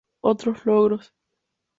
Otros Logros